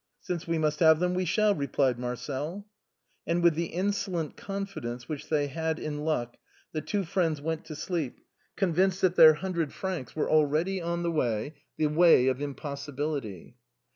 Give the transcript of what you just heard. " Since we must have them, we shall," replied Marcel. And with the insolent confidence which they had in luck, the two friends went to sleep, convinced that their hundred francs were already on the way, the way of impossibility.